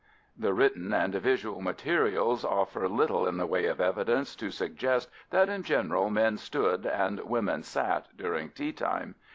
The written and visual materials offer little in the way of evidence to suggest that in general men stood and women sat during teatime.